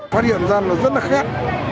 có điểm rằng nó rất là khét